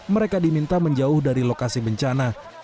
mereka diminta menjauh dari lokasi bencana